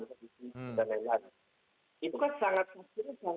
betul teman teman yang dikekecuan itu semua mau beli harap apa yang kemudian diteliti